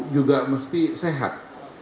juga mesti sehat